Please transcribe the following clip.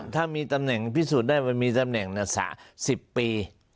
ถ้ามีตำแหน่งพิสูจน์ได้มันมีตำแหน่งนักศา๑๐ปี